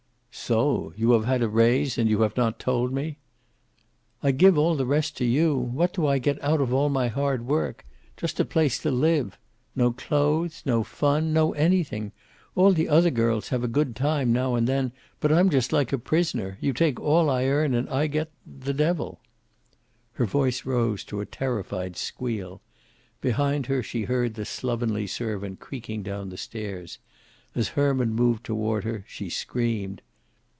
"So you have had a raise, and you have not told me?" "I give all the rest to you. What do I get out of all my hard work? Just a place to live. No clothes. No fun. No anything. All the other girls have a good time now and then, but I'm just like a prisoner. You take all I earn, and I get the devil." Her voice rose to a terrified squeal. Behind her she heard the slovenly servant creaking down the stairs. As Herman moved toward her she screamed.